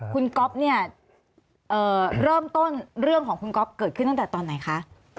คุณก๊อฟเนี่ยเริ่มต้นเรื่องของคุณก๊อฟเกิดขึ้นตั้งแต่ตอนไหนคะ